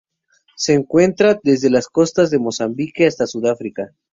Se encuentran desde las costas de Mozambique hasta Sudáfrica.